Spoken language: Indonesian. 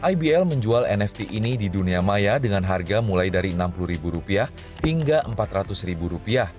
ibl menjual nft ini di dunia maya dengan harga mulai dari rp enam puluh hingga rp empat ratus